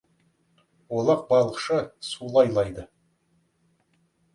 Олақ балықшы су лайлайды.